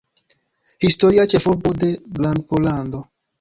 Historia ĉefurbo de Grandpollando.